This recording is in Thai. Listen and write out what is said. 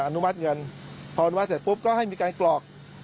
อนุมัติเงินพออนุมัติเสร็จปุ๊บก็ให้มีการกรอก